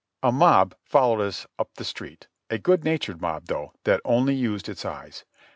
A mob followed us up the street, a good natured mob though, that only used its eyes.